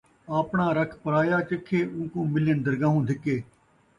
آپݨا رکھ پرایا چکھے، اون٘کوں ملِن درگاہوں دِھکے